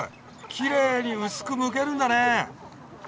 きれいに薄くむけるんだね。